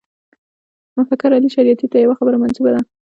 مفکر علي شریعیتي ته یوه خبره منسوبه ده.